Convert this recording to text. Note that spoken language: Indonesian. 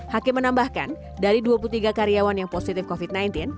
hakim menambahkan dari dua puluh tiga karyawan yang positif covid sembilan belas